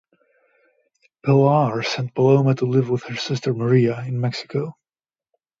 Pilar sent Paloma to live with her sister Maria in Mexico.